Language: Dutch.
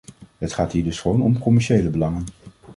Het gaat hier dus gewoon om commerciële belangen.